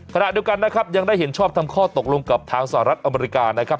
ขณะเดียวกันนะครับยังได้เห็นชอบทำข้อตกลงกับทางสหรัฐอเมริกานะครับ